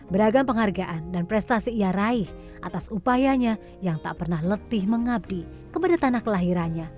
beragam penghargaan dan prestasi ia raih atas upayanya yang tak pernah letih mengabdi kepada tanah kelahirannya